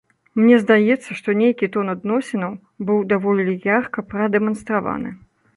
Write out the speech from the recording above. Мне здаецца, што нейкі тон адносінаў быў даволі ярка прадэманстраваны.